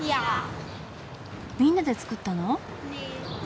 みんなで作ったの？